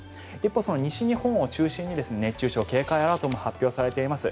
西日本を中心に熱中症警戒アラートも発表されています。